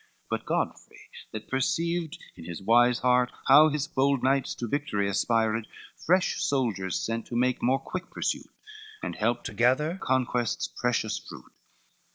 But Godfrey that perceived in his wise heart, How his bold knights to victory aspired, Fresh soldiers sent, to make more quick pursuit, And help to gather conquest's precious fruit.